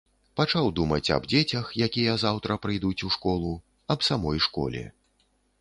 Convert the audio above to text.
Пачаў думаць аб дзецях, якія заўтра прыйдуць у школу, аб самой школе.